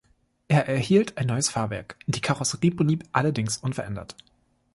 Er erhielt ein neues Fahrwerk; die Karosserie blieb allerdings unverändert.